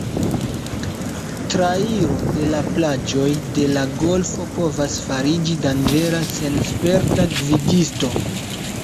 Trairo de la plaĝoj de la golfo povas fariĝi danĝera sen sperta gvidisto.